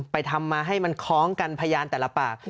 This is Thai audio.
ทำมาให้มันคล้องกันพยานแต่ละปาก